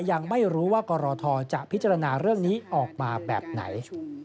ยังไม่รู้ว่ากรทจะพิจารณาเรื่องนี้ออกมาแบบไหน